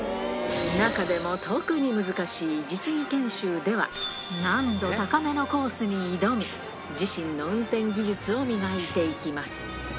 中でも特に難しい実技研修では、難度高めのコースに挑み、自身の運転技術を磨いていきます。